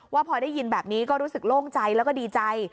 พอได้ยินแบบนี้ก็รู้สึกโล่งใจแล้วก็ดีใจ